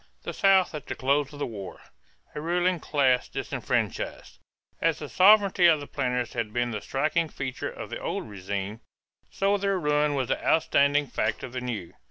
THE SOUTH AT THE CLOSE OF THE WAR =A Ruling Class Disfranchised.= As the sovereignty of the planters had been the striking feature of the old régime, so their ruin was the outstanding fact of the new.